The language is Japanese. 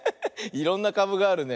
いろんなかぶがあるね。